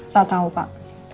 saya tau pak